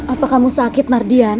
apa kamu sakit mardian